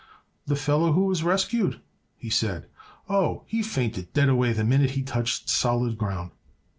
"The fellow who was rescued?" he said. "Oh, he fainted dead away the minute he touched solid ground."